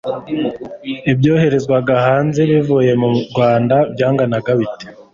ibyoherezwaga hanze bivuye mu rwanda byanganaga bite